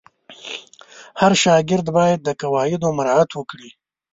هر شاګرد باید د قواعدو مراعت وکړي.